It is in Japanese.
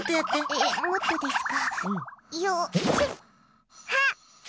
ええもっとですか。